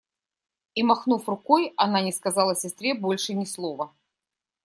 И, махнув рукой, она не сказала сестре больше ни слова.